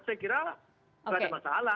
saya kira tidak ada masalah